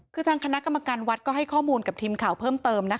คือทางคณะกรรมการวัดก็ให้ข้อมูลกับทีมข่าวเพิ่มเติมนะคะ